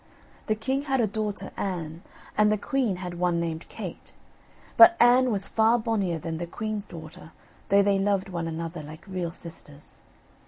The king had a daughter, Anne, and the queen had one named Kate, but Anne was far bonnier than the queen's daughter, though they loved one another like real sisters.